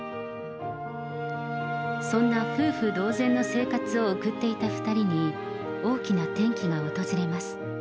そんな夫婦同然の生活を送っていた２人に、大きな転機が訪れます。